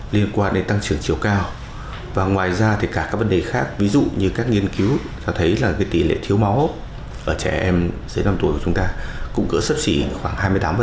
liên quan đến tăng trưởng chiều cao và ngoài ra thì cả các vấn đề khác ví dụ như các nghiên cứu cho thấy là tỷ lệ thiếu máu ở trẻ em dưới năm tuổi của chúng ta cũng cỡ sấp xỉ khoảng hai mươi tám